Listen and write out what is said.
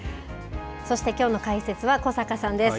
そして、きょうの解説は小坂さんです。